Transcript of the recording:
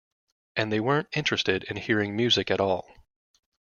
And they weren't interested in hearing music at all.